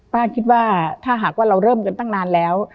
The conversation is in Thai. ป้าคิดว่าถ้าหากว่าเราเริ่มกันตั้งนานแล้ว